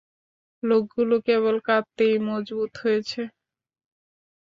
লোকগুলো কেবল কাঁদতেই মজবুত হয়েছে।